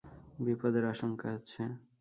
বিপদের আশঙ্কা আছে।